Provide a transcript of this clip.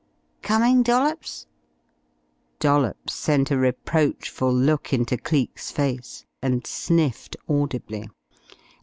Coming, Dollops?" Dollops sent a reproachful look into Cleek's face and sniffed audibly.